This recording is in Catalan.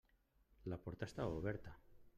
La porta estava oberta.